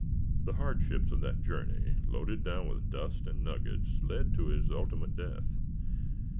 The hardships of that journey, loaded down with dust and nuggets, led to his ultimate death.